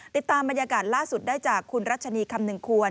ติดตามบรรยากาศล่าสุดได้จากคุณรัชนีคำหนึ่งควร